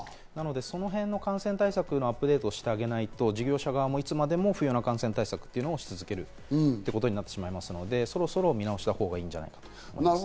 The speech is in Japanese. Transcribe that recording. なのでその辺の感染対策をアップデートしてあげないと、いつまでも不要な感染対策をし続けることになるので、そろそろ見直したほうがいいんじゃないかと思います。